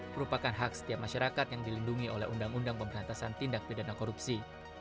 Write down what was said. merupakan hak setiap masyarakat yang dilindungi oleh undang undang pemberantasan tindak pidana korupsi